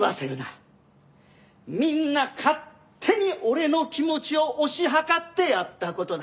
みんな勝手に俺の気持ちを推し量ってやった事だ。